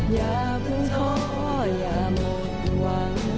อย่าเพิ่งท้ออย่าหมดหวัง